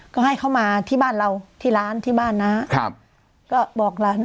ก็ให้เขามาที่บ้านเราที่หลานที่บ้านน้า